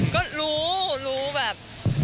ก็รู้รู้แบบ